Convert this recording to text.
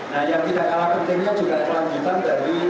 nah yang tidak kalah pentingnya juga kelanjutan dari